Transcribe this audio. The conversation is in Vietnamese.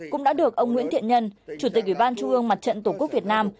cũng đã được ông nguyễn thiện nhân chủ tịch ủy ban trung ương mặt trận tổ quốc việt nam